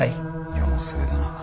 世も末だな。